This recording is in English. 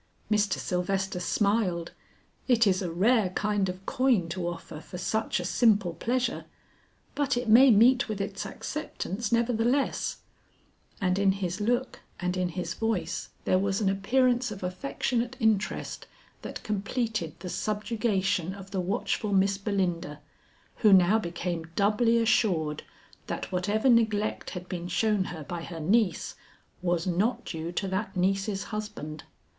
Mr. Sylvester smiled. "It is a rare kind of coin to offer for such a simple pleasure, but it may meet with its acceptance, nevertheless;" and in his look and in his voice there was an appearance of affectionate interest that completed the subjugation of the watchful Miss Belinda, who now became doubly assured that whatever neglect had been shown her by her niece was not due to that niece's husband.